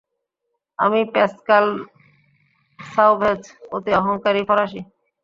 আমি প্যাসকাল সাওভ্যাজ, অতিঅহংকারী ফরাসি।